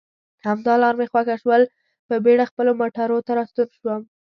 همدا لار مې خوښه شول، په بېړه خپلو موټرو ته راستون شوم.